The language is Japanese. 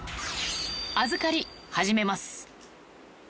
預かり始めます。